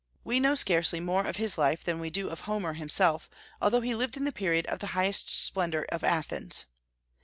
We know scarcely more of his life than we do of Homer himself, although he lived in the period of the highest splendor of Athens.